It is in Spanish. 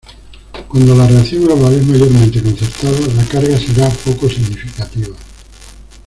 Cuándo la reacción global es mayormente concertada, la carga será poco significativa.